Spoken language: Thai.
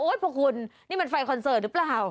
พวกคุณนี่มันไฟคอนเสิร์ตหรือเปล่า